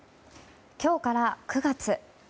今日から９月。